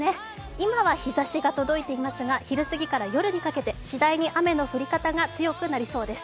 今は日ざしが届いていますが昼過ぎから夜にかけて次第に雨の降り方が強くなりそうです。